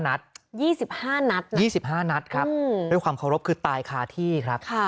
นัด๒๕นัด๒๕นัดครับด้วยความเคารพคือตายคาที่ครับ